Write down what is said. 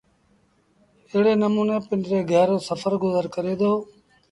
ايڙي نموٚني پنڊري گھر رو سڦر گزر ڪري دو